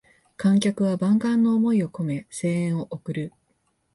観客は万感の思いをこめ声援を送る